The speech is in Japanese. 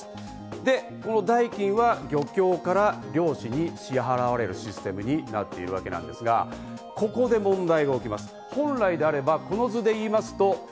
で、代金は漁協から漁師に支払われるシステムになっているわけなんですが、ここで問題が起きます。